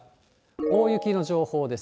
大雪の情報です。